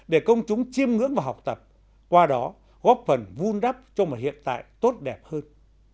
để công chúng chiêm ngưỡng và học tập qua đó góp phần vun đắp cho một hiện tại tốt đẹp hơn